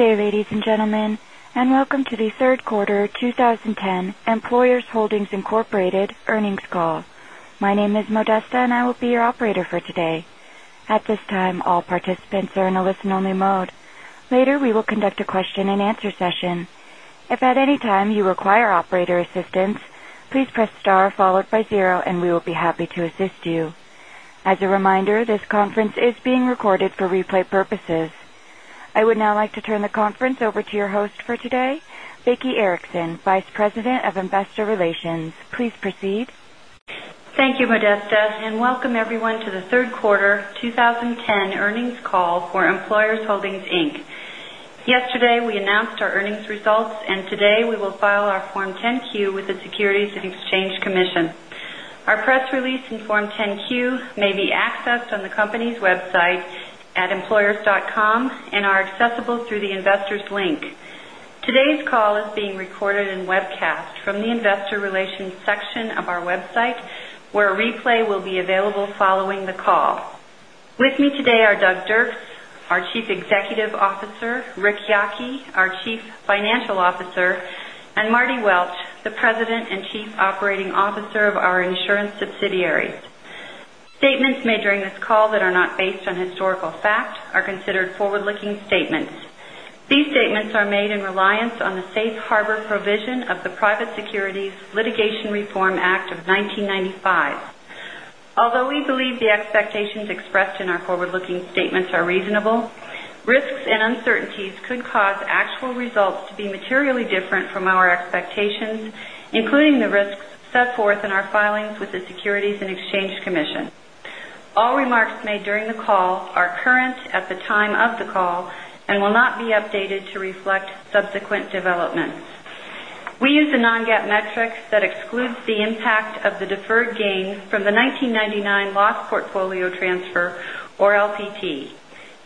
Good day, ladies and gentlemen, and welcome to the third quarter 2010 Employers Holdings, Inc. earnings call. My name is Modesta, and I will be your operator for today. At this time, all participants are in a listen-only mode. Later, we will conduct a question-and-answer session. If at any time you require operator assistance, please press star followed by zero, and we will be happy to assist you. As a reminder, this conference is being recorded for replay purposes. I would now like to turn the conference over to your host for today, Vicki Erickson, Vice President, Investor Relations. Please proceed. Thank you, Modesta, and welcome everyone to the third quarter 2010 earnings call for Employers Holdings, Inc. Yesterday, we announced our earnings results, and today we will file our Form 10-Q with the Securities and Exchange Commission. Our press release and Form 10-Q may be accessed on the company's website at employers.com and are accessible through the Investors link. Today's call is being recorded and webcast from the Investor Relations section of our website, where a replay will be available following the call. With me today are Douglas Dirks, our Chief Executive Officer, William Yocke, our Chief Financial Officer, and Martin Welch, the President and Chief Operating Officer of our insurance subsidiaries. Statements made during this call that are not based on historical fact are considered forward-looking statements. These statements are made in reliance on the safe harbor provision of the Private Securities Litigation Reform Act of 1995. Although we believe the expectations expressed in our forward-looking statements are reasonable, risks and uncertainties could cause actual results to be materially different from our expectations, including the risks set forth in our filings with the Securities and Exchange Commission. All remarks made during the call are current at the time of the call and will not be updated to reflect subsequent developments. We use a non-GAAP metric that excludes the impact of the deferred gain from the 1999 Loss Portfolio Transfer, or LPT.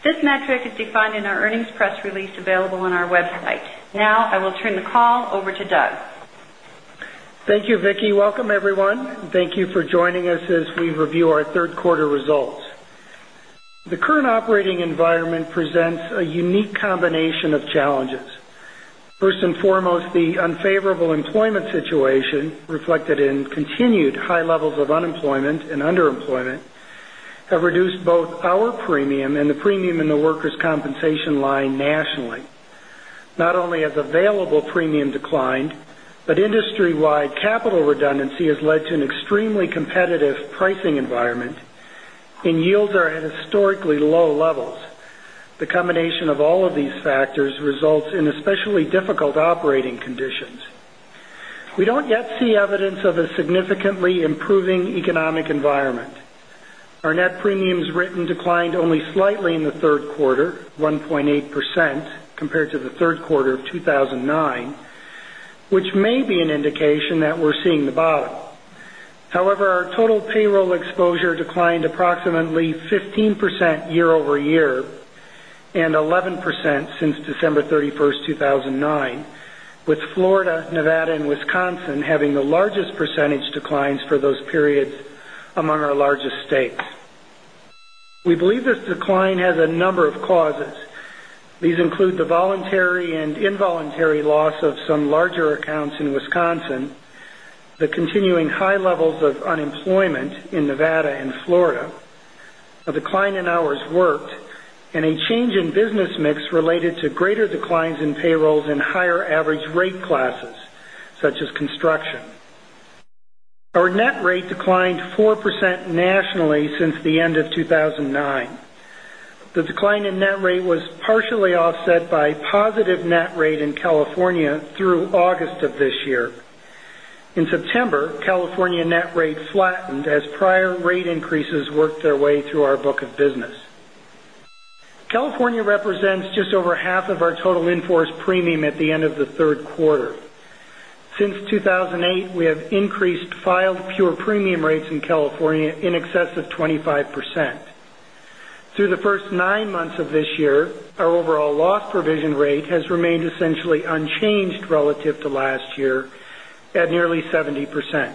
This metric is defined in our earnings press release available on our website. I will turn the call over to Doug. Thank you, Vicki. Welcome, everyone. Thank you for joining us as we review our third quarter results. The current operating environment presents a unique combination of challenges. First and foremost, the unfavorable employment situation, reflected in continued high levels of unemployment and underemployment, have reduced both our premium and the premium in the workers' compensation line nationally. Not only has available premium declined, but industry-wide capital redundancy has led to an extremely competitive pricing environment, and yields are at historically low levels. The combination of all of these factors results in especially difficult operating conditions. We don't yet see evidence of a significantly improving economic environment. Our net premiums written declined only slightly in the third quarter, 1.8%, compared to the third quarter of 2009, which may be an indication that we're seeing the bottom. Our total payroll exposure declined approximately 15% year-over-year and 11% since December 31st, 2009, with Florida, Nevada, and Wisconsin having the largest percentage declines for those periods among our largest states. We believe this decline has a number of causes. These include the voluntary and involuntary loss of some larger accounts in Wisconsin, the continuing high levels of unemployment in Nevada and Florida, a decline in hours worked, and a change in business mix related to greater declines in payrolls and higher average rate classes, such as construction. Our net rate declined 4% nationally since the end of 2009. The decline in net rate was partially offset by positive net rate in California through August of this year. In September, California net rate flattened as prior rate increases worked their way through our book of business. California represents just over half of our total in-force premium at the end of the third quarter. Since 2008, we have increased filed pure premium rates in California in excess of 25%. Through the first nine months of this year, our overall loss provision rate has remained essentially unchanged relative to last year at nearly 70%.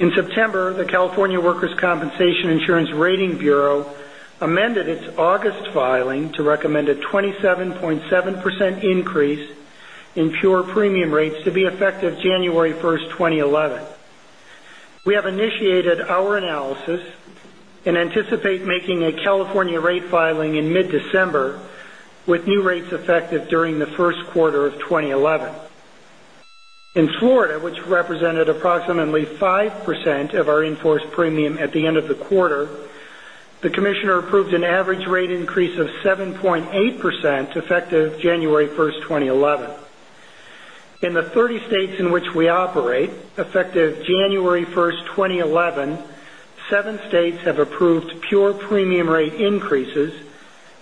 In September, the California Workers' Compensation Insurance Rating Bureau amended its August filing to recommend a 27.7% increase in pure premium rates to be effective January 1st, 2011. We have initiated our analysis and anticipate making a California rate filing in mid-December, with new rates effective during the first quarter of 2011. In Florida, which represented approximately 5% of our in-force premium at the end of the quarter, the commissioner approved an average rate increase of 7.8%, effective January 1st, 2011. In the 30 states in which we operate, effective January 1st, 2011, seven states have approved pure premium rate increases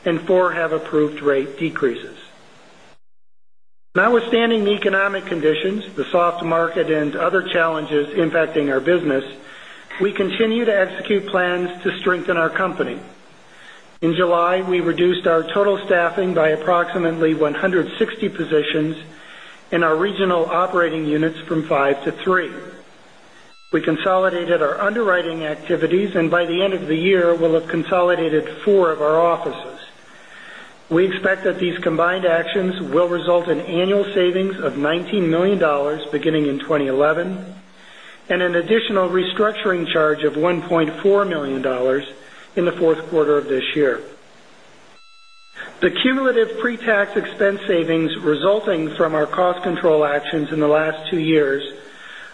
and four have approved rate decreases. Notwithstanding the economic conditions, the soft market, and other challenges impacting our business, we continue to execute plans to strengthen our company. In July, we reduced our total staffing by approximately 160 positions in our regional operating units from five to three. We consolidated our underwriting activities, and by the end of the year, we will have consolidated four of our offices. We expect that these combined actions will result in annual savings of $19 million beginning in 2011, and an additional restructuring charge of $1.4 million in the fourth quarter of this year. The cumulative pre-tax expense savings resulting from our cost control actions in the last two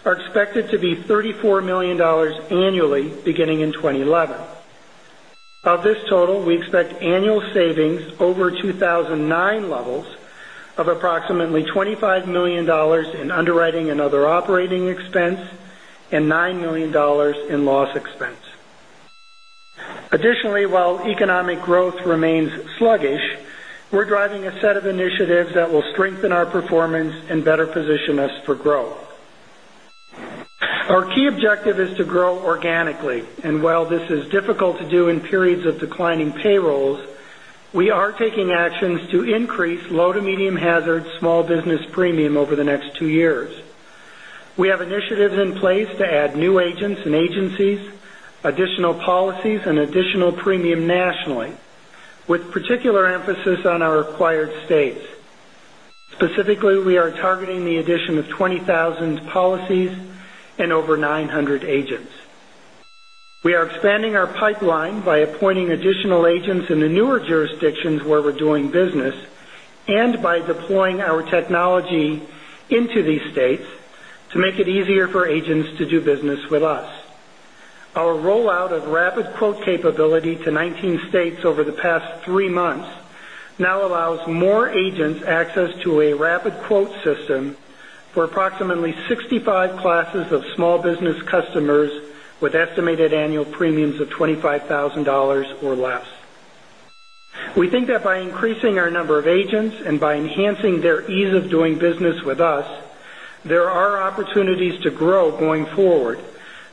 years are expected to be $34 million annually beginning in 2011. Of this total, we expect annual savings over 2009 levels of approximately $25 million in underwriting and other operating expense and $9 million in loss expense. Additionally, while economic growth remains sluggish, we are driving a set of initiatives that will strengthen our performance and better position us for growth. Our key objective is to grow organically, and while this is difficult to do in periods of declining payrolls, we are taking actions to increase low to medium hazard small business premium over the next two years. We have initiatives in place to add new agents and agencies, additional policies, and additional premium nationally, with particular emphasis on our acquired states. Specifically, we are targeting the addition of 20,000 policies and over 900 agents. We are expanding our pipeline by appointing additional agents in the newer jurisdictions where we're doing business and by deploying our technology into these states to make it easier for agents to do business with us. Our rollout of rapid quote capability to 19 states over the past three months now allows more agents access to a rapid quote system for approximately 65 classes of small business customers with estimated annual premiums of $25,000 or less. We think that by increasing our number of agents and by enhancing their ease of doing business with us, there are opportunities to grow going forward,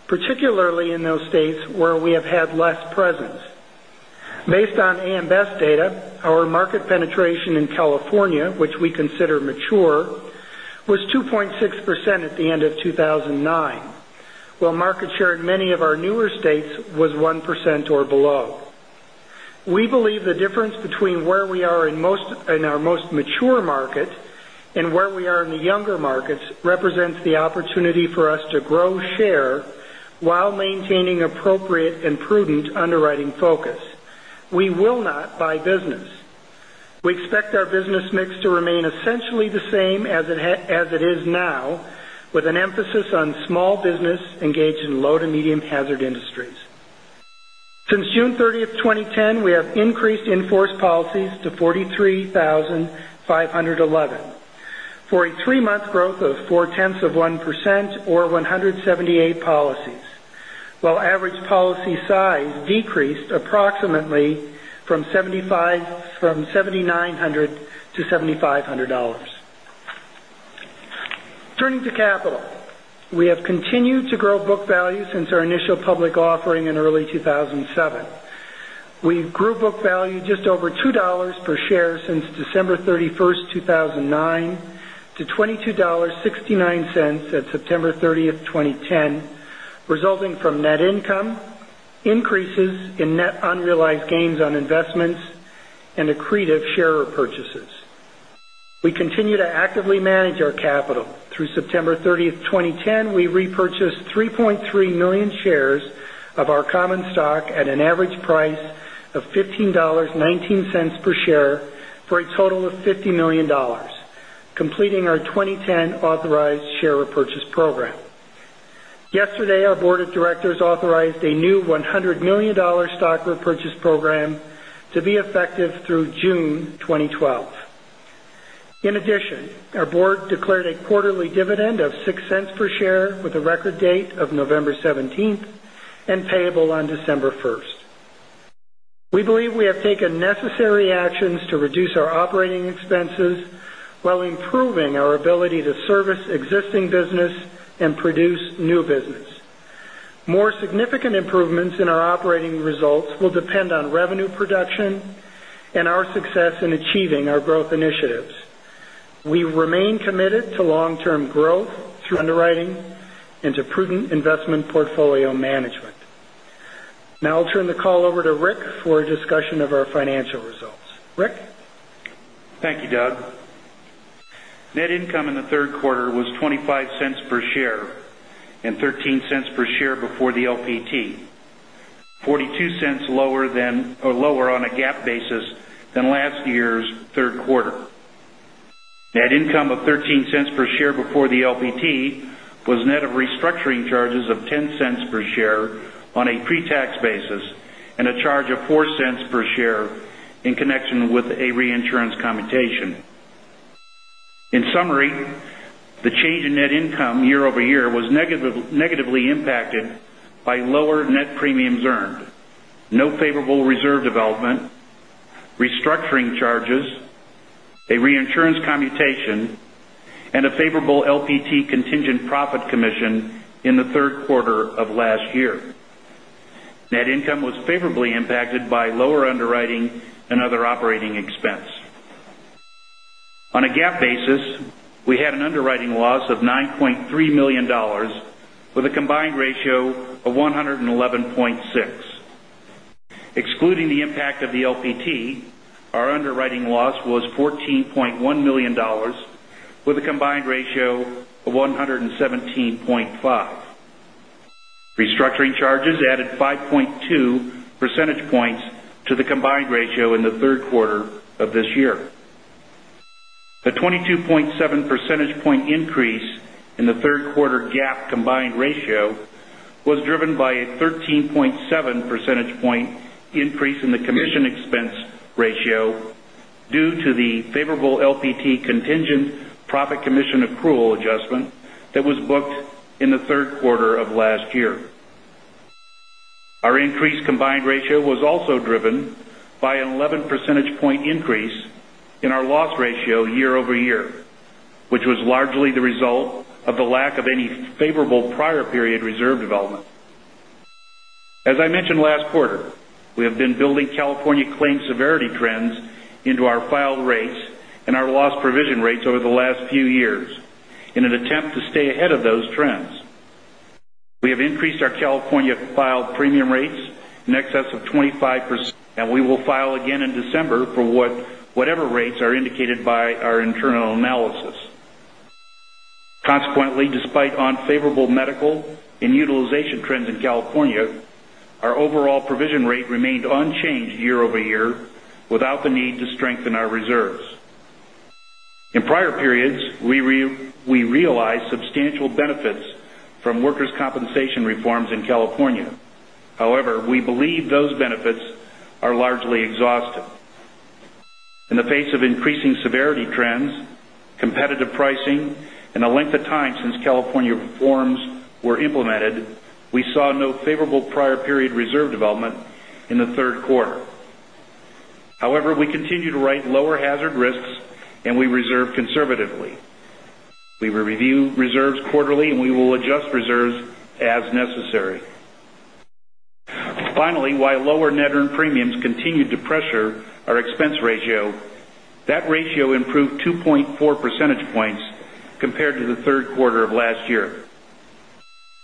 particularly in those states where we have had less presence. Based on AM Best data, our market penetration in California, which we consider mature, was 2.6% at the end of 2009, while market share in many of our newer states was 1% or below. We believe the difference between where we are in our most mature market and where we are in the younger markets represents the opportunity for us to grow share while maintaining appropriate and prudent underwriting focus. We will not buy business. We expect our business mix to remain essentially the same as it is now, with an emphasis on small business engaged in low to medium hazard industries. Since June 30th, 2010, we have increased in-force policies to 43,511 for a three-month growth of 0.4% or 178 policies. While average policy size decreased approximately from $7,900 to $7,500. Turning to capital, we have continued to grow book value since our initial public offering in early 2007. We grew book value just over $2 per share since December 31st, 2009 to $22.69 at September 30th, 2010, resulting from net income, increases in net unrealized gains on investments, and accretive share repurchases. We continue to actively manage our capital. Through September 30th, 2010, we repurchased 3.3 million shares of our common stock at an average price of $15.19 per share for a total of $50 million, completing our 2010 authorized share repurchase program. Yesterday, our board of directors authorized a new $100 million stock repurchase program to be effective through June 2012. In addition, our board declared a quarterly dividend of $0.06 per share with a record date of November 17th and payable on December 1st. We believe we have taken necessary actions to reduce our operating expenses while improving our ability to service existing business and produce new business. More significant improvements in our operating results will depend on revenue production and our success in achieving our growth initiatives. We remain committed to long-term growth through underwriting into prudent investment portfolio management. Now I'll turn the call over to Rick for a discussion of our financial results. Rick? Thank you, Doug. Net income in the third quarter was $0.25 per share and $0.13 per share before the LPT. $0.42 lower on a GAAP basis than last year's third quarter. Net income of $0.13 per share before the LPT was net of restructuring charges of $0.10 per share on a pre-tax basis and a charge of $0.04 per share in connection with a reinsurance commutation. In summary, the change in net income year-over-year was negatively impacted by lower net premiums earned, no favorable reserve development, restructuring charges a reinsurance commutation and a favorable LPT contingent profit commission in the third quarter of last year. Net income was favorably impacted by lower underwriting and other operating expense. On a GAAP basis, we had an underwriting loss of $9.3 million, with a combined ratio of 111.6. Excluding the impact of the LPT, our underwriting loss was $14.1 million, with a combined ratio of 117.5. Restructuring charges added 5.2 percentage points to the combined ratio in the third quarter of this year. The 22.7 percentage point increase in the third quarter GAAP combined ratio was driven by a 13.7 percentage point increase in the commission expense ratio due to the favorable LPT contingent profit commission accrual adjustment that was booked in the third quarter of last year. Our increased combined ratio was also driven by an 11 percentage point increase in our loss ratio year-over-year, which was largely the result of the lack of any favorable prior period reserve development. As I mentioned last quarter, we have been building California claim severity trends into our filed rates and our loss provision rates over the last few years in an attempt to stay ahead of those trends. We have increased our California filed premium rates in excess of 25%, we will file again in December for whatever rates are indicated by our internal analysis. Consequently, despite unfavorable medical and utilization trends in California, our overall provision rate remained unchanged year-over-year without the need to strengthen our reserves. In prior periods, we realized substantial benefits from workers' compensation reforms in California. We believe those benefits are largely exhausted. In the face of increasing severity trends, competitive pricing, and the length of time since California reforms were implemented, we saw no favorable prior period reserve development in the third quarter. We continue to write lower hazard risks, and we reserve conservatively. We review reserves quarterly, and we will adjust reserves as necessary. Finally, while lower net earned premiums continued to pressure our expense ratio, that ratio improved 2.4 percentage points compared to the third quarter of last year.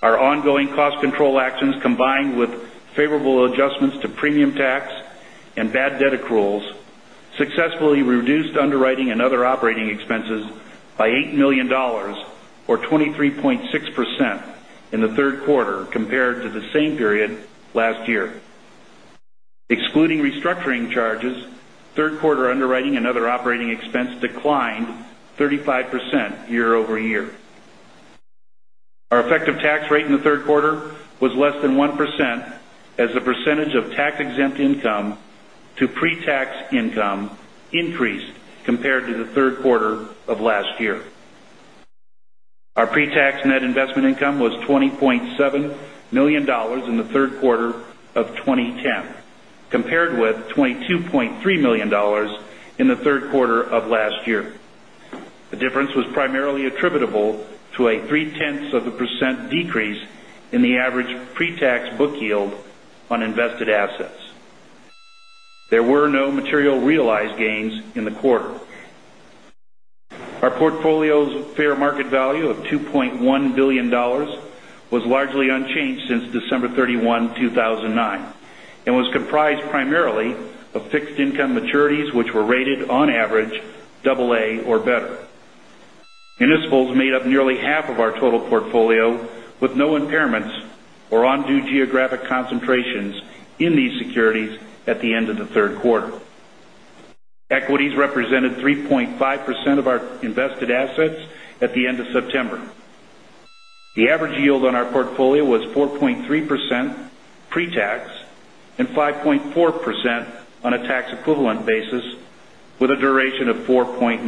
Our ongoing cost control actions, combined with favorable adjustments to premium tax and bad debt accruals, successfully reduced underwriting and other operating expenses by $8 million, or 23.6%, in the third quarter compared to the same period last year. Excluding restructuring charges, third quarter underwriting and other operating expense declined 35% year-over-year. Our effective tax rate in the third quarter was less than 1% as the percentage of tax-exempt income to pre-tax income increased compared to the third quarter of last year. Our pre-tax net investment income was $20.7 million in the third quarter of 2010, compared with $22.3 million in the third quarter of last year. The difference was primarily attributable to a three-tenths of a percent decrease in the average pre-tax book yield on invested assets. There were no material realized gains in the quarter. Our portfolio's fair market value of $2.1 billion was largely unchanged since December 31, 2009, and was comprised primarily of fixed income maturities, which were rated on average AA or better. Municipals made up nearly half of our total portfolio, with no impairments or undue geographic concentrations in these securities at the end of the third quarter. Equities represented 3.5% of our invested assets at the end of September. The average yield on our portfolio was 4.3% pre-tax and 5.4% on a tax-equivalent basis, with a duration of 4.9.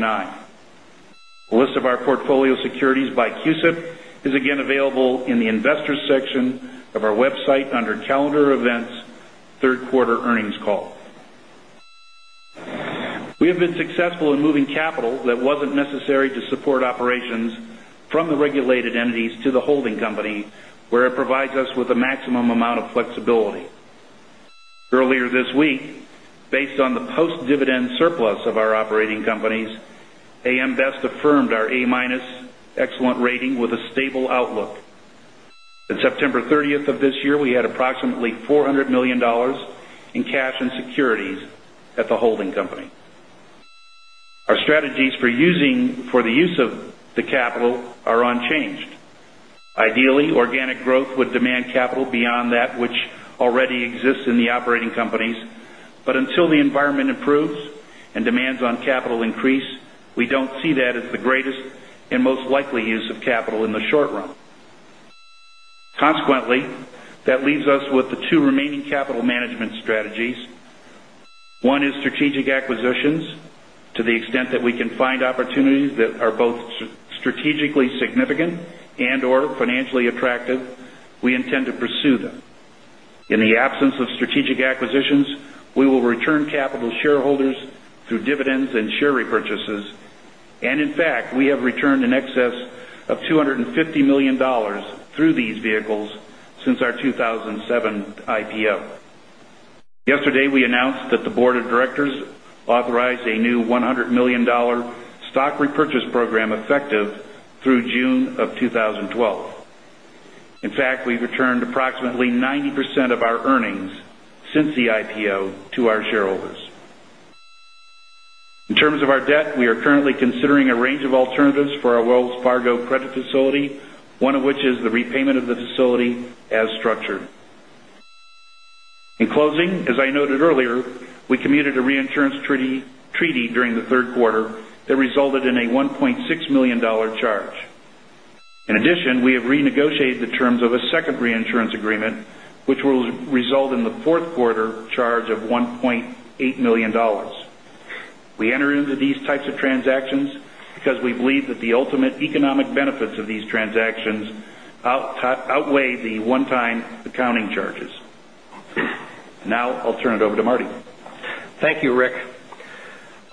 A list of our portfolio securities by CUSIP is again available in the investors section of our website under Calendar Events, Third Quarter Earnings Call. We have been successful in moving capital that wasn't necessary to support operations from the regulated entities to the holding company, where it provides us with a maximum amount of flexibility. Earlier this week, based on the post-dividend surplus of our operating companies, AM Best affirmed our A- excellent rating with a stable outlook. On September 30th of this year, we had approximately $400 million in cash and securities at the holding company. Our strategies for the use of the capital are unchanged. Ideally, organic growth would demand capital beyond that which already exists in the operating companies. But until the environment improves and demands on capital increase, we don't see that as the greatest and most likely use of capital in the short run. Consequently, that leaves us with the two remaining capital management strategies. One is strategic acquisitions. To the extent that we can find opportunities that are both strategically significant and/or financially attractive, we intend to pursue them. In fact, we have returned in excess of $250 million through these vehicles since our 2007 IPO. Yesterday, we announced that the board of directors authorized a new $100 million stock repurchase program effective through June of 2012. In fact, we've returned approximately 90% of our earnings since the IPO to our shareholders. In terms of our debt, we are currently considering a range of alternatives for our Wells Fargo credit facility, one of which is the repayment of the facility as structured. In closing, as I noted earlier, we commuted a reinsurance treaty during the third quarter that resulted in a $1.6 million charge. In addition, we have renegotiated the terms of a second reinsurance agreement, which will result in the fourth quarter charge of $1.8 million. We enter into these types of transactions because we believe that the ultimate economic benefits of these transactions outweigh the one-time accounting charges. Now I'll turn it over to Marty. Thank you, Rick.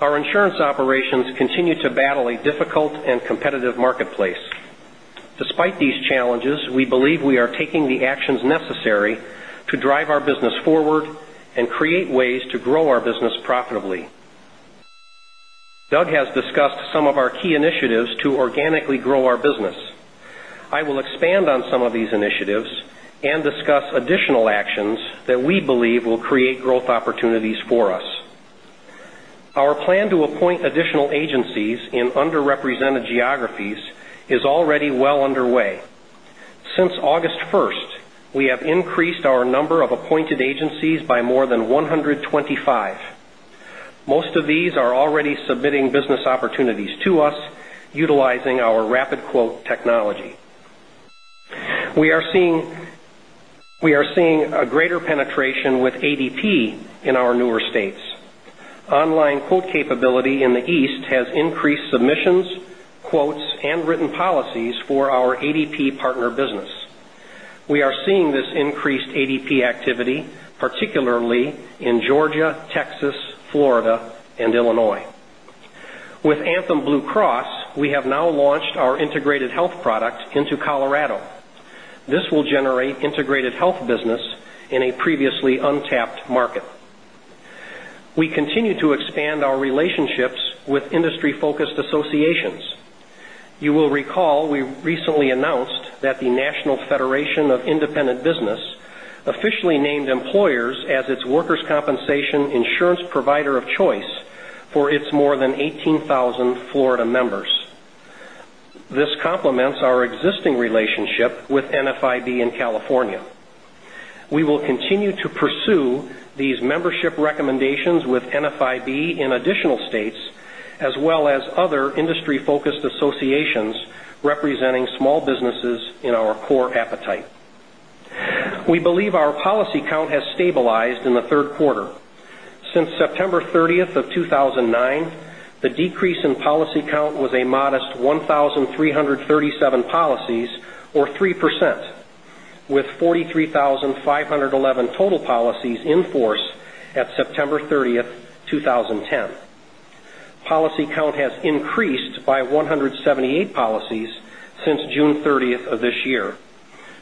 Our insurance operations continue to battle a difficult and competitive marketplace. Despite these challenges, we believe we are taking the actions necessary to drive our business forward and create ways to grow our business profitably. Doug has discussed some of our key initiatives to organically grow our business. I will expand on some of these initiatives and discuss additional actions that we believe will create growth opportunities for us. Our plan to appoint additional agencies in underrepresented geographies is already well underway. Since August 1st, we have increased our number of appointed agencies by more than 125. Most of these are already submitting business opportunities to us utilizing our rapid quote technology. We are seeing a greater penetration with ADP in our newer states. Online quote capability in the East has increased submissions, quotes, and written policies for our ADP partner business. We are seeing this increased ADP activity, particularly in Georgia, Texas, Florida, and Illinois. With Anthem Blue Cross, we have now launched our integrated health product into Colorado. This will generate integrated health business in a previously untapped market. We continue to expand our relationships with industry-focused associations. You will recall we recently announced that the National Federation of Independent Business officially named Employers as its workers' compensation insurance provider of choice for its more than 18,000 Florida members. This complements our existing relationship with NFIB in California. We will continue to pursue these membership recommendations with NFIB in additional states, as well as other industry-focused associations representing small businesses in our core appetite. We believe our policy count has stabilized in the third quarter. Since September 30th of 2009, the decrease in policy count was a modest 1,337 policies, or 3%, with 43,511 total policies in force at September 30th, 2010. Policy count has increased by 178 policies since June 30th of this year.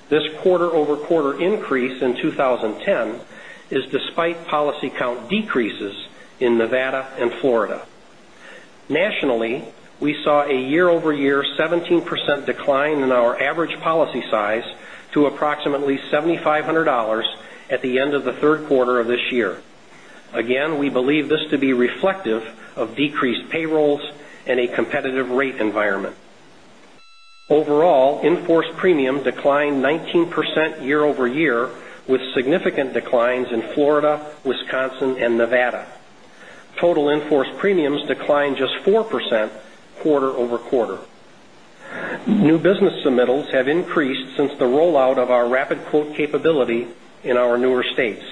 This quarter-over-quarter increase in 2010 is despite policy count decreases in Nevada and Florida. Nationally, we saw a year-over-year 17% decline in our average policy size to approximately $7,500 at the end of the third quarter of this year. Again, we believe this to be reflective of decreased payrolls and a competitive rate environment. Overall, in-force premium declined 19% year-over-year, with significant declines in Florida, Wisconsin, and Nevada. Total in-force premiums declined just 4% quarter-over-quarter. New business submittals have increased since the rollout of our rapid quote capability in our newer states.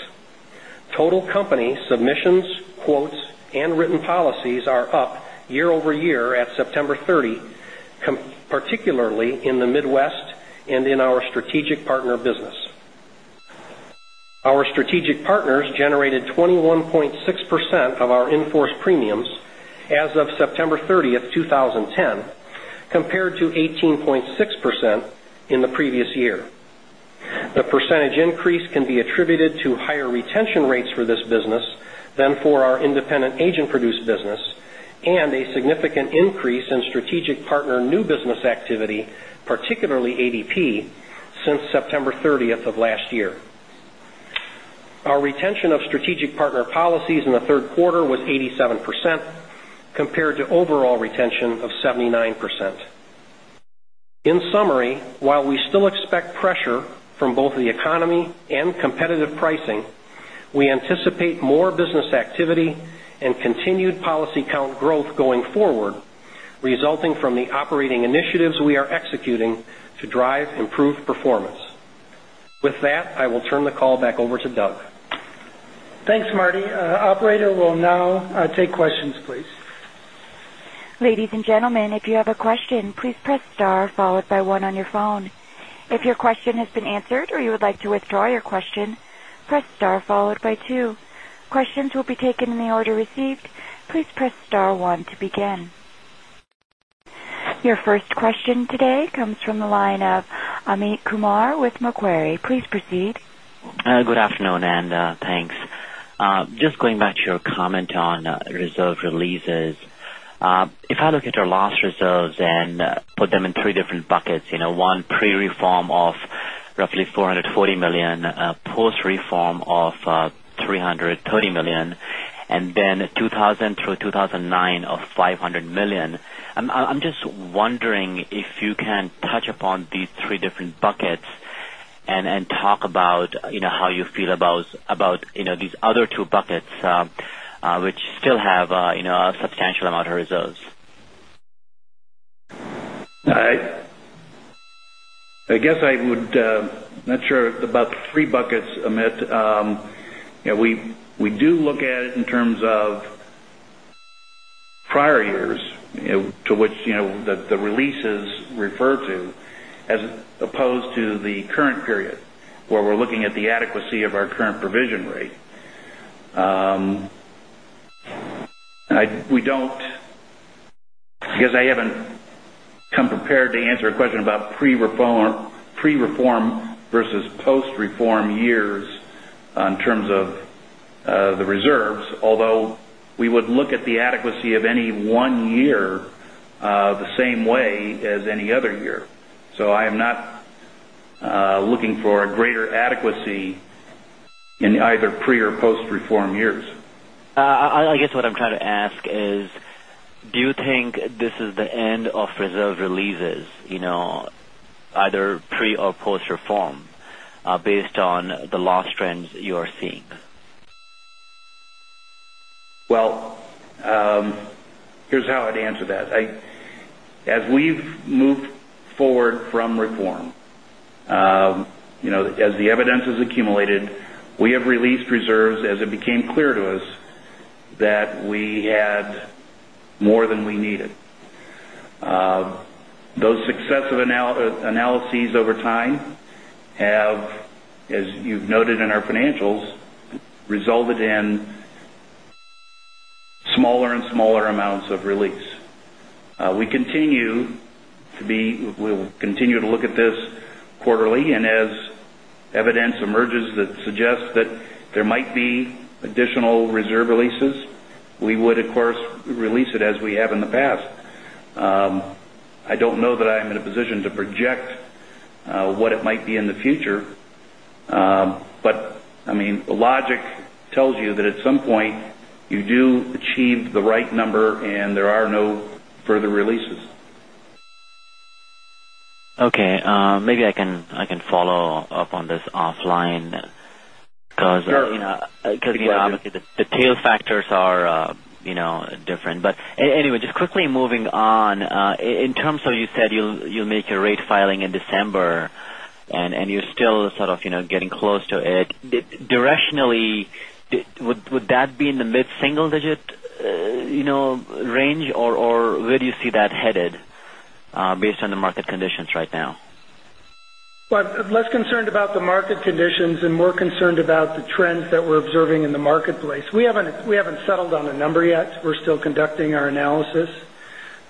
Total company submissions, quotes, and written policies are up year-over-year at September 30, particularly in the Midwest and in our strategic partner business. Our strategic partners generated 21.6% of our in-force premiums as of September 30th, 2010, compared to 18.6% in the previous year. The percentage increase can be attributed to higher retention rates for this business than for our independent agent-produced business and a significant increase in strategic partner new business activity, particularly ADP, since September 30th of last year. Our retention of strategic partner policies in the third quarter was 87%, compared to overall retention of 79%. In summary, while we still expect pressure from both the economy and competitive pricing, we anticipate more business activity and continued policy count growth going forward, resulting from the operating initiatives we are executing to drive improved performance. With that, I will turn the call back over to Doug. Thanks, Marty. Operator, we'll now take questions, please. Ladies and gentlemen, if you have a question, please press star followed by one on your phone. If your question has been answered or you would like to withdraw your question, press star followed by two. Questions will be taken in the order received. Please press star one to begin. Your first question today comes from the line of Amit Kumar with Macquarie. Please proceed. Good afternoon, thanks. Just going back to your comment on reserve releases. If I look at your loss reserves and put them in 3 different buckets, 1 pre-reform of roughly $440 million, post-reform of $330 million, and then 2000 through 2009 of $500 million. I'm just wondering if you can touch upon these 3 different buckets and talk about how you feel about these other 2 buckets, which still have a substantial amount of reserves. I'm not sure about the 3 buckets, Amit. We do look at it in terms of prior years, to which the releases refer to, as opposed to the current period, where we're looking at the adequacy of our current provision rate. I guess I haven't come prepared to answer a question about pre-reform versus post-reform years in terms of the reserves, although we would look at the adequacy of any one year the same way as any other year. I am not looking for a greater adequacy in either pre or post-reform years. I guess what I'm trying to ask is, do you think this is the end of reserve releases, either pre or post-reform, based on the loss trends you are seeing? Well, here's how I'd answer that. As we've moved forward from reform, as the evidence has accumulated, we have released reserves as it became clear to us that we had more than we needed. Those successive analyses over time have, as you've noted in our financials, resulted in smaller and smaller amounts of release. We'll continue to look at this quarterly, and as evidence emerges that suggests that there might be additional reserve releases, we would, of course, release it as we have in the past. I don't know that I am in a position to project what it might be in the future. Logic tells you that at some point you do achieve the right number and there are no further releases. Okay. Maybe I can follow up on this offline. Sure. The tail factors are different. Anyway, just quickly moving on. In terms of, you said you'll make your rate filing in December, and you're still sort of getting close to it. Directionally, would that be in the mid-single digit range, or where do you see that headed based on the market conditions right now? Well, I'm less concerned about the market conditions and more concerned about the trends that we're observing in the marketplace. We haven't settled on a number yet. We're still conducting our analysis.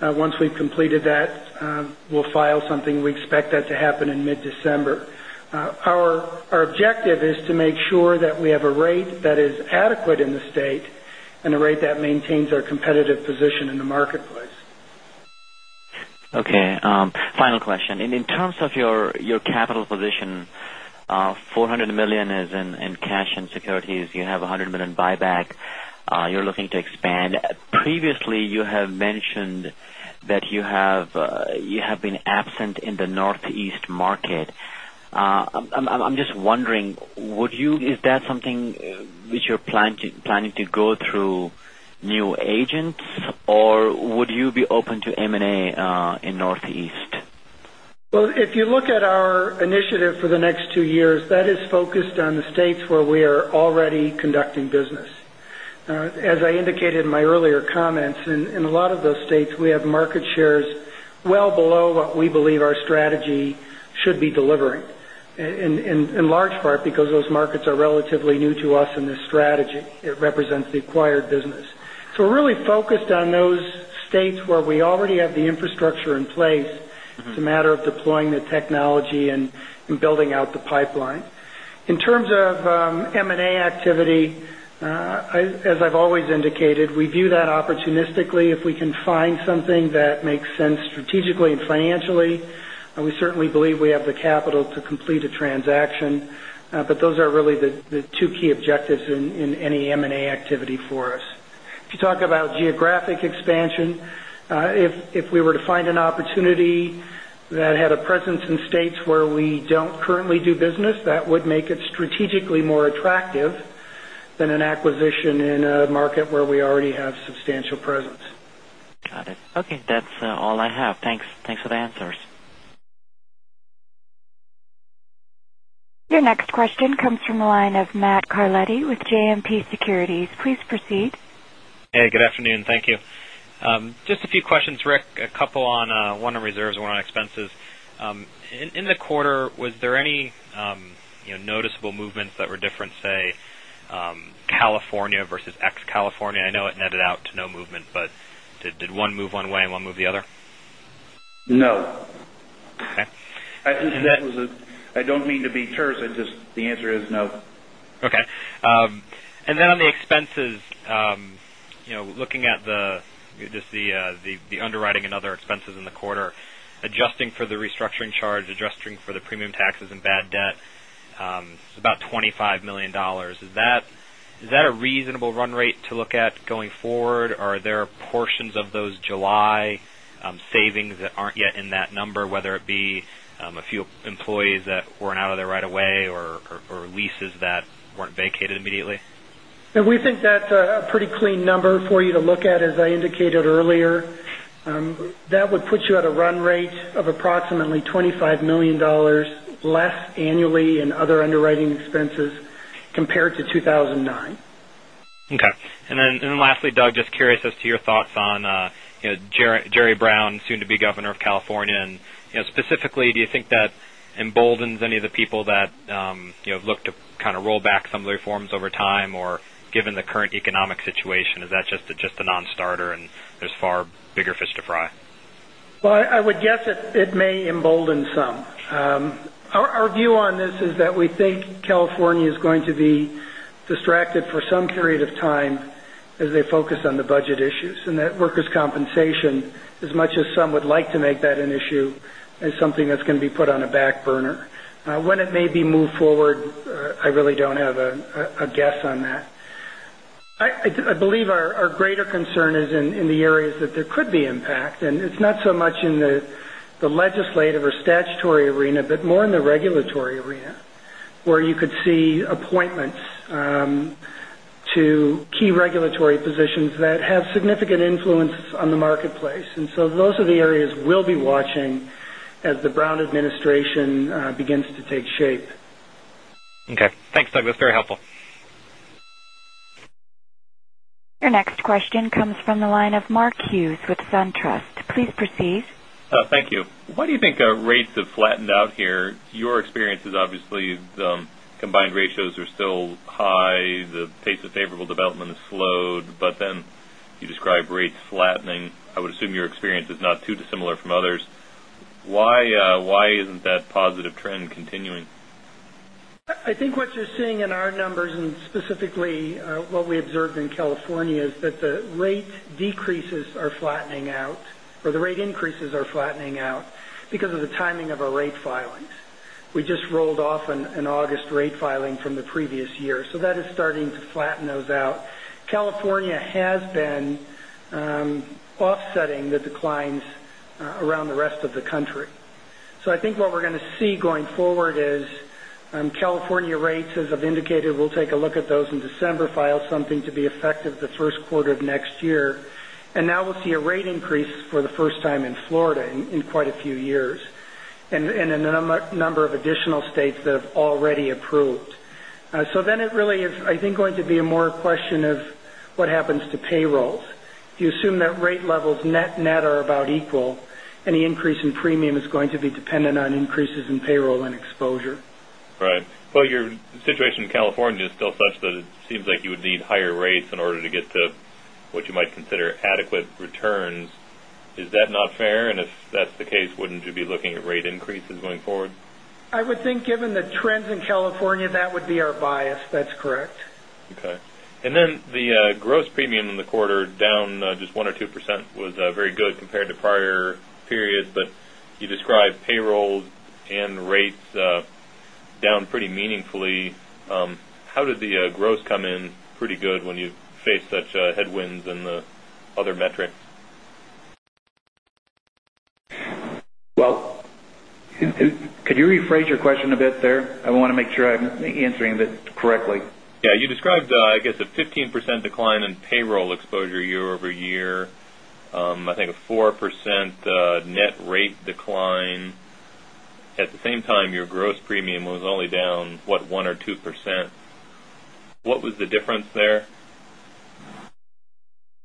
Once we've completed that, we'll file something. We expect that to happen in mid-December. Our objective is to make sure that we have a rate that is adequate in the state and a rate that maintains our competitive position in the marketplace. Okay. Final question. In terms of your capital position, $400 million is in cash and securities. You have $100 million buyback. You're looking to expand. Previously, you have mentioned that you have been absent in the Northeast market. I'm just wondering, is that something which you're planning to go through new agents, or would you be open to M&A in Northeast? Well, if you look at our initiative for the next two years, that is focused on the states where we are already conducting business. As I indicated in my earlier comments, in a lot of those states, we have market shares well below what we believe our strategy should be delivering, in large part because those markets are relatively new to us in this strategy. It represents the acquired business. We're really focused on those states where we already have the infrastructure in place. It's a matter of deploying the technology and building out the pipeline. In terms of M&A activity, as I've always indicated, we view that opportunistically. If we can find something that makes sense strategically and financially, we certainly believe we have the capital to complete a transaction. Those are really the two key objectives in any M&A activity for us. If you talk about geographic expansion, if we were to find an opportunity that had a presence in states where we don't currently do business, that would make it strategically more attractive than an acquisition in a market where we already have substantial presence. Got it. Okay. That's all I have. Thanks. Thanks for the answers. Your next question comes from the line of Matthew Carletti with JMP Securities. Please proceed. Hey, good afternoon. Thank you. Just a few questions, Rick, a couple on one reserves and one on expenses. In the quarter, was there any noticeable movements that were different, say, California versus ex-California? I know it netted out to no movement, but did one move one way and one move the other? No. Okay. I don't mean to be terse. The answer is no. Okay. Then on the expenses, looking at just the underwriting and other expenses in the quarter, adjusting for the restructuring charge, adjusting for the premium taxes and bad debt, it's about $25 million. Is that a reasonable run rate to look at going forward? Are there portions of those July savings that aren't yet in that number, whether it be a few employees that weren't out of there right away or leases that weren't vacated immediately? We think that's a pretty clean number for you to look at, as I indicated earlier. That would put you at a run rate of approximately $25 million less annually in other underwriting expenses compared to 2009. Okay. Then lastly, Doug, just curious as to your thoughts on Jerry Brown, soon to be governor of California. Specifically, do you think that emboldens any of the people that look to kind of roll back some of the reforms over time? Given the current economic situation, is that just a nonstarter, and there's far bigger fish to fry? Well, I would guess that it may embolden some. Our view on this is that we think California is going to be distracted for some period of time as they focus on the budget issues, and that workers' compensation, as much as some would like to make that an issue, is something that's going to be put on a back burner. When it may be moved forward, I really don't have a guess on that. I believe our greater concern is in the areas that there could be impact, and it's not so much in the legislative or statutory arena, but more in the regulatory arena, where you could see appointments to key regulatory positions that have significant influences on the marketplace. So those are the areas we'll be watching as the Brown administration begins to take shape. Okay. Thanks, Doug. That's very helpful. Your next question comes from the line of Mark Hughes with SunTrust. Please proceed. Thank you. Why do you think rates have flattened out here? Your experience is obviously the combined ratios are still high. The pace of favorable development has slowed, you describe rates flattening. I would assume your experience is not too dissimilar from others. Why isn't that positive trend continuing? I think what you're seeing in our numbers, and specifically what we observed in California, is that the rate decreases are flattening out, or the rate increases are flattening out because of the timing of our rate filings. We just rolled off an August rate filing from the previous year, that is starting to flatten those out. California has been offsetting the declines around the rest of the country. I think what we're going to see going forward is California rates, as I've indicated, we'll take a look at those in December, file something to be effective the first quarter of next year. Now we'll see a rate increase for the first time in Florida in quite a few years, and in a number of additional states that have already approved. It really is, I think, going to be more a question of what happens to payrolls. If you assume that rate levels net are about equal, any increase in premium is going to be dependent on increases in payroll and exposure. Right. Well, your situation in California is still such that it seems like you would need higher rates in order to get to what you might consider adequate returns. Is that not fair? If that's the case, wouldn't you be looking at rate increases going forward? I would think given the trends in California, that would be our bias. That's correct. Okay. The gross premium in the quarter down just 1% or 2% was very good compared to prior periods. You described payrolls and rates down pretty meaningfully. How did the gross come in pretty good when you face such headwinds in the other metrics? Well, could you rephrase your question a bit there? I want to make sure I'm answering this correctly. Yeah. You described, I guess, a 15% decline in payroll exposure year-over-year. I think a 4% net rate decline. At the same time, your gross premium was only down, what, 1% or 2%? What was the difference there?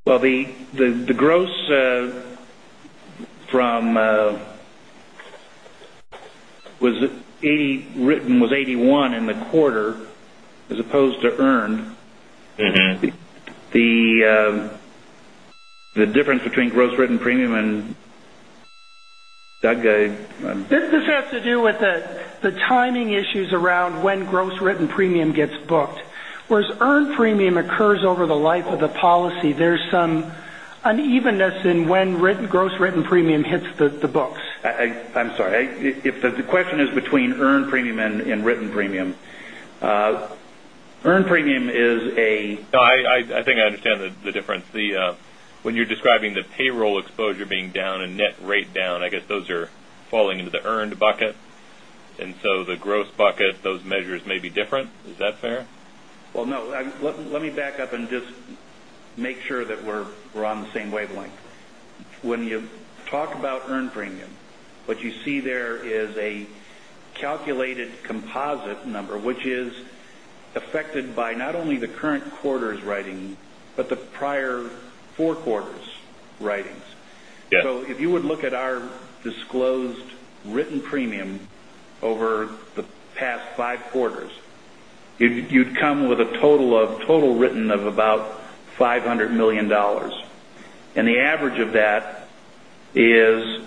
Well, the gross written was $81 in the quarter as opposed to earned. The difference between gross written premium Doug? This has to do with the timing issues around when gross written premium gets booked. Whereas earned premium occurs over the life of the policy, there's some unevenness in when gross written premium hits the books. I'm sorry. If the question is between earned premium and written premium, earned premium is. No, I think I understand the difference. When you're describing the payroll exposure being down and net rate down, I guess those are falling into the earned bucket. The gross bucket, those measures may be different. Is that fair? Well, no. Let me back up and just make sure that we're on the same wavelength. When you talk about earned premium, what you see there is a calculated composite number, which is affected by not only the current quarter's writing but the prior four quarters' writings. Yes. If you would look at our disclosed written premium over the past five quarters, you'd come with a total written of about $500 million. The average of that is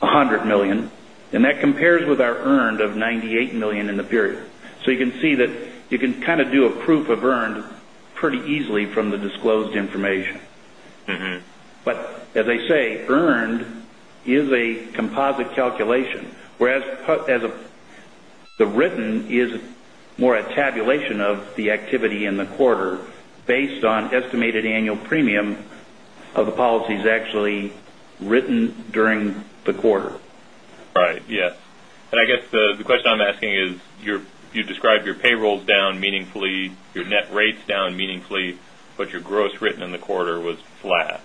$100 million. That compares with our earned of $98 million in the period. You can see that you can kind of do a proof of earned pretty easily from the disclosed information. As I say, earned is a composite calculation, whereas the written is more a tabulation of the activity in the quarter based on estimated annual premium of the policies actually written during the quarter. Right. Yes. I guess the question I'm asking is, you described your payroll's down meaningfully, your net rate's down meaningfully, but your gross written in the quarter was flat.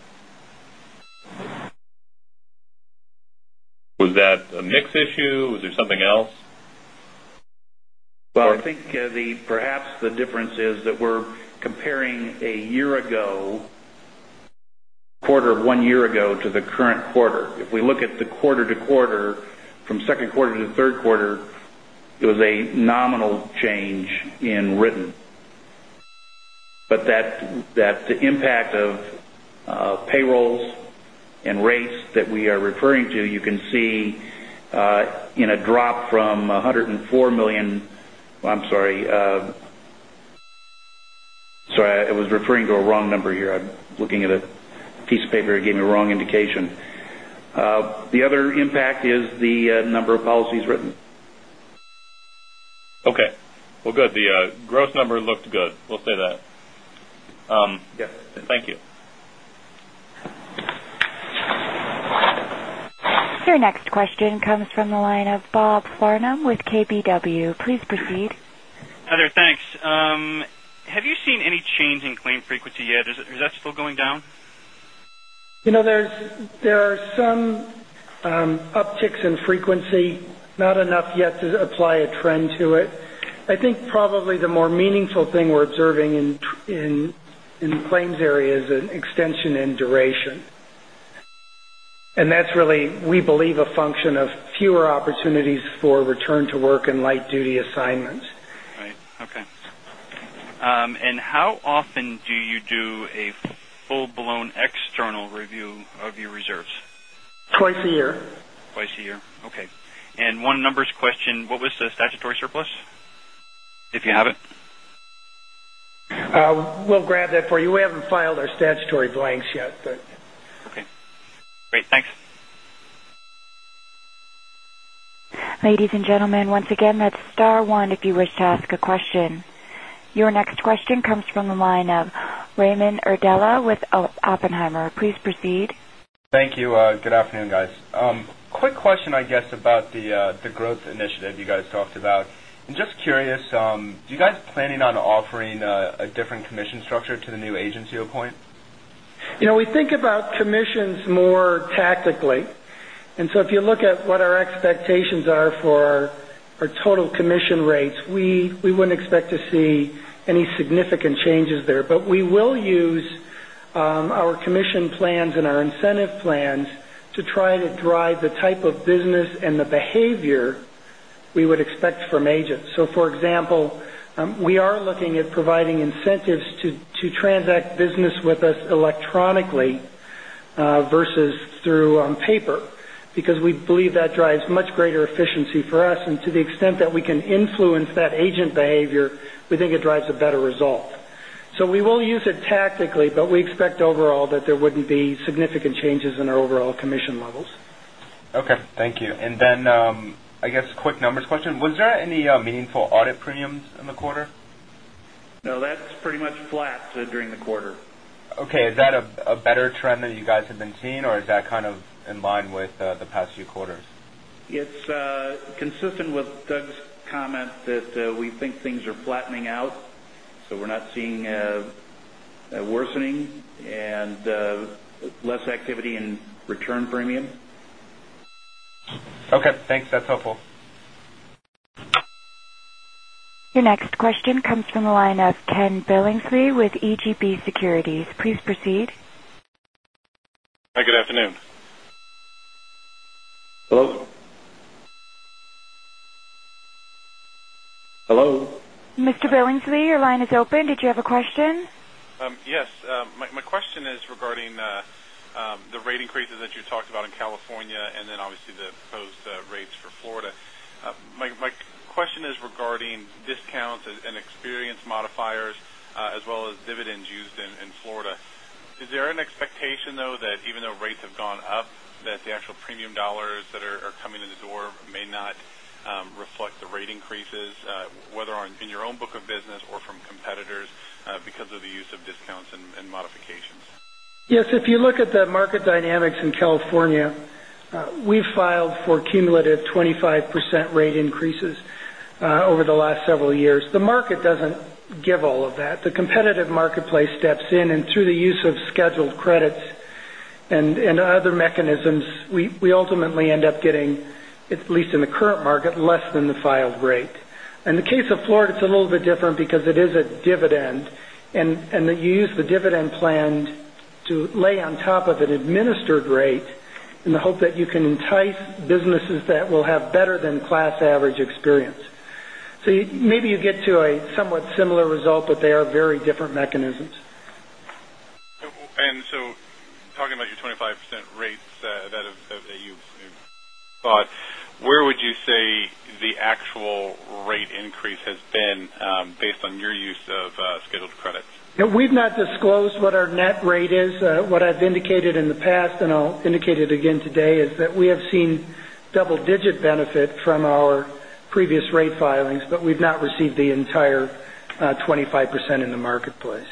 Was that a mix issue? Was there something else? I think perhaps the difference is that we are comparing a year ago, quarter of one year ago to the current quarter. If we look at the quarter to quarter, from second quarter to the third quarter, it was a nominal change in written. The impact of payrolls and rates that we are referring to, you can see in a drop from $104 million. I am sorry. Sorry, I was referring to a wrong number here. I am looking at a piece of paper. It gave me a wrong indication. The other impact is the number of policies written. Okay. Well, good. The gross number looked good. We will say that. Yes. Thank you. Your next question comes from the line of Bob Farnham with KBW. Please proceed. Hi there. Thanks. Have you seen any change in claim frequency yet? Is that still going down? There are some upticks in frequency, not enough yet to apply a trend to it. I think probably the more meaningful thing we're observing in claims area is an extension in duration. That's really, we believe, a function of fewer opportunities for return to work and light duty assignments. Right. Okay. How often do you do a full-blown external review of your reserves? Twice a year. Twice a year. Okay. One numbers question, what was the statutory surplus? If you have it. We'll grab that for you. We haven't filed our statutory blanks yet. Okay, great. Thanks. Ladies and gentlemen, once again, that's star one if you wish to ask a question. Your next question comes from the line of Raymond Iardella with Oppenheimer. Please proceed. Thank you. Good afternoon, guys. Quick question, I guess, about the growth initiative you guys talked about. I'm just curious, do you guys planning on offering a different commission structure to the new agents you appoint? We think about commissions more tactically. If you look at what our expectations are for our total commission rates, we wouldn't expect to see any significant changes there. We will use our commission plans and our incentive plans to try to drive the type of business and the behavior we would expect from agents. For example, we are looking at providing incentives to transact business with us electronically versus through paper because we believe that drives much greater efficiency for us and to the extent that we can influence that agent behavior, we think it drives a better result. We will use it tactically, but we expect overall that there wouldn't be significant changes in our overall commission levels. Okay. Thank you. I guess quick numbers question. Was there any meaningful audit premiums in the quarter? No, that's pretty much flat during the quarter. Okay. Is that a better trend than you guys have been seeing or is that kind of in line with the past few quarters? It's consistent with Doug's comment that we think things are flattening out. We're not seeing a worsening and less activity in return premium. Okay, thanks. That's helpful. Your next question comes from the line of Ken Billingsley with BGB Securities. Please proceed. Hi, good afternoon. Hello? Hello? Mr. Billingsley, your line is open. Did you have a question? Yes. My question is regarding the rate increases that you talked about in California, obviously the proposed rates for Florida. My question is regarding discounts and experience modifiers, as well as dividends used in Florida. Is there an expectation, though, that even though rates have gone up, that the actual premium dollars that are coming in the door may not reflect the rate increases, whether in your own book of business or from competitors because of the use of discounts and modifications? Yes, if you look at the market dynamics in California, we've filed for cumulative 25% rate increases over the last several years. The market doesn't give all of that. The competitive marketplace steps in, through the use of scheduled credits and other mechanisms, we ultimately end up getting, at least in the current market, less than the filed rate. In the case of Florida, it's a little bit different because it is a dividend, and that you use the dividend plan to lay on top of an administered rate in the hope that you can entice businesses that will have better than class average experience. Maybe you get to a somewhat similar result, but they are very different mechanisms. Talking about your 25% rates that you've where would you say the actual rate increase has been based on your use of scheduled credits? We've not disclosed what our net rate is. What I've indicated in the past, and I'll indicate it again today, is that we have seen double-digit benefit from our previous rate filings, but we've not received the entire 25% in the marketplace.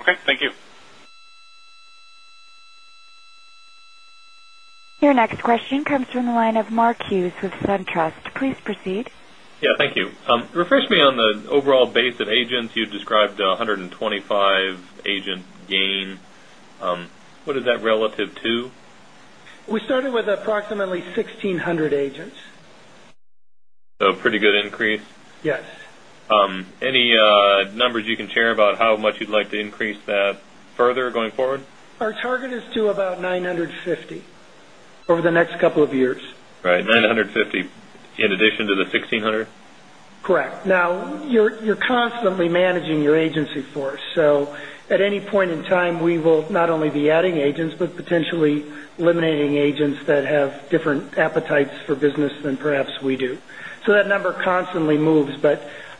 Okay, thank you. Your next question comes from the line of Mark Hughes with SunTrust. Please proceed. Yeah, thank you. Refresh me on the overall base of agents. You described 125 agent gain. What is that relative to? We started with approximately 1,600 agents. A pretty good increase? Yes. Any numbers you can share about how much you'd like to increase that further going forward? Our target is to about 950 over the next couple of years. Right, 950 in addition to the 1,600? Correct. Now, you're constantly managing your agency force. At any point in time, we will not only be adding agents, but potentially eliminating agents that have different appetites for business than perhaps we do. That number constantly moves.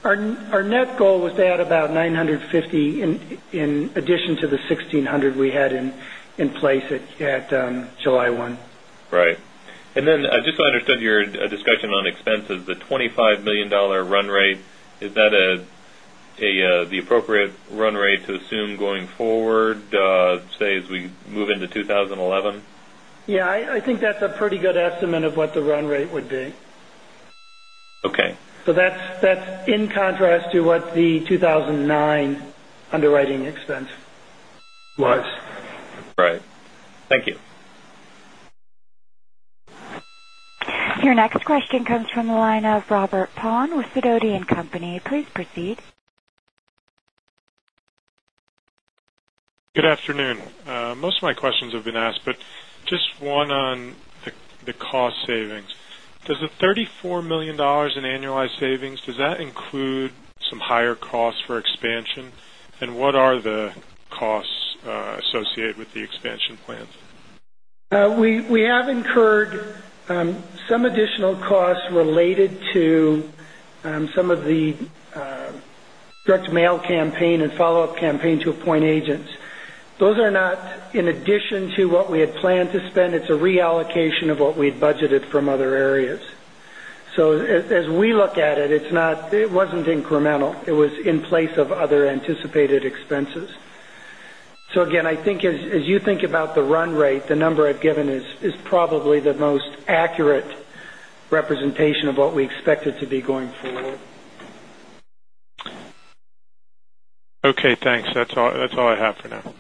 Our net goal was to add about 950 in addition to the 1,600 we had in place at July 1. Right. Just so I understood your discussion on expenses, the $25 million run rate, is that the appropriate run rate to assume going forward, say, as we move into 2011? Yeah, I think that's a pretty good estimate of what the run rate would be. Okay. That's in contrast to what the 2009 underwriting expense was. Right. Thank you. Your next question comes from the line of Robert Paun with Sidoti & Company. Please proceed. Good afternoon. Most of my questions have been asked, just one on the cost savings. Does the $34 million in annualized savings, does that include some higher costs for expansion? What are the costs associated with the expansion plans? We have incurred some additional costs related to some of the direct mail campaign and follow-up campaign to appoint agents. Those are not in addition to what we had planned to spend. It's a reallocation of what we'd budgeted from other areas. As we look at it wasn't incremental. It was in place of other anticipated expenses. Again, I think as you think about the run rate, the number I've given is probably the most accurate representation of what we expected to be going forward. Okay, thanks. That's all I have for now.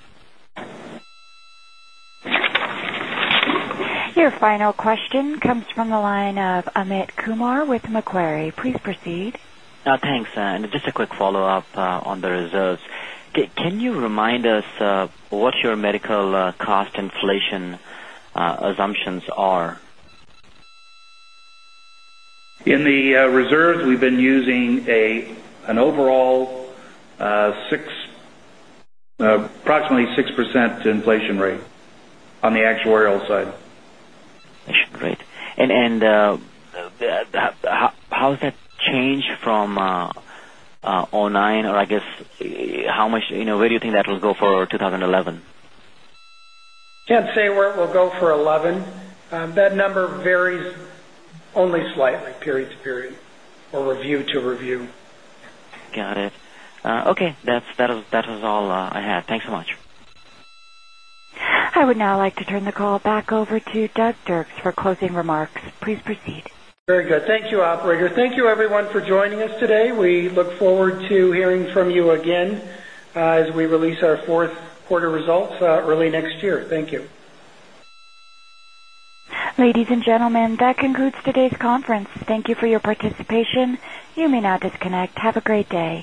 Your final question comes from the line of Amit Kumar with Macquarie. Please proceed. Thanks. Just a quick follow-up on the reserves. Can you remind us what your medical cost inflation assumptions are? In the reserves, we've been using an overall approximately 6% inflation rate on the actuarial side. Great. How has that changed from 2009? I guess, where do you think that will go for 2011? Can't say where it will go for 2011. That number varies only slightly period to period or review to review. Got it. Okay. That was all I had. Thanks so much. I would now like to turn the call back over to Doug Dirks for closing remarks. Please proceed. Very good. Thank you, Operator. Thank you everyone for joining us today. We look forward to hearing from you again as we release our fourth quarter results early next year. Thank you. Ladies and gentlemen, that concludes today's conference. Thank you for your participation. You may now disconnect. Have a great day.